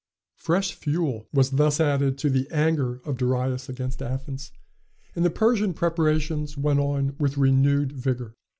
] Fresh fuel was thus added to the anger of Darius against Athens, and the Persian preparations went on with renewed vigor.